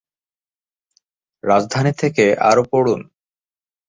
রাজধানী থেকে আরও পড়ুন